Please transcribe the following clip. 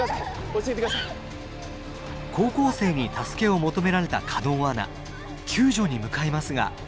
高校生に助けを求められた狩野アナ救助に向かいますが。